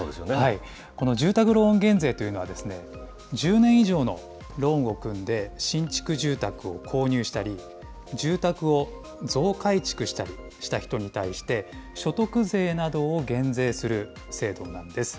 この住宅ローン減税というのはですね、１０年以上のローンを組んで、新築住宅を購入したり、住宅を増改築したりした人に対して、所得税などを減税する制度なんです。